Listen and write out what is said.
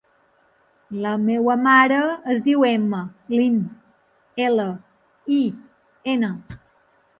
La meva mare es diu Emma Lin: ela, i, ena.